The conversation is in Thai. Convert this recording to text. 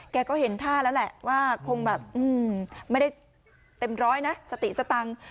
แกก็เห็นท่าแล้วแหละว่าคงแบบไม่ได้เต็มร้อยนะสติสตังค์